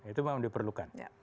itu memang diperlukan